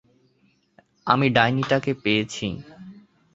আমি ডাইনি টাকে পেয়েছি!